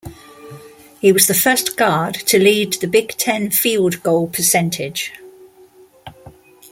He was the first guard to lead the Big Ten field goal percentage.